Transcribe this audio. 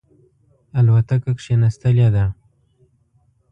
الوتکه کښېنستلې ده.